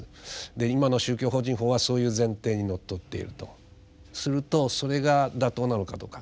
で今の宗教法人法はそういう前提にのっとっているとするとそれが妥当なのかどうか。